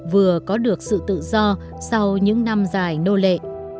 vừa có được sự tự do sau những năm dài nô lệ